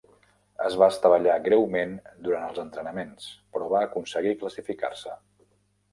Es va estavellar greument durant els entrenaments, però va aconseguir classificar-se.